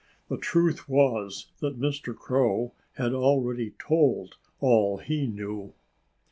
The truth was that Mr. Crow had already told all he knew.